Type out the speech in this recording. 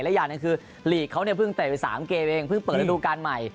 และอย่างหนึ่งคือลีกเขาเนี่ยเพิ่งเตะไป๓เกมเองเพิ่งเปิดระดูการใหม่